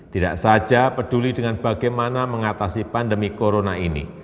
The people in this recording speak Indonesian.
tidak saja peduli dengan bagaimana mengatasi pandemi corona ini